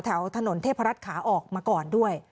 แถวถนนเทพรัฐขาออกมาก่อนด้วย